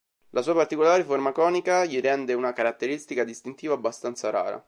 La sua particolare forma conica gli rende una caratteristica distintiva abbastanza rara.